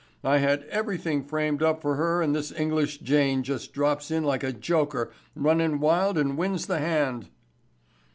I had everything framed up for her and this English jane just drops in like a joker runnin' wild and wins the hand."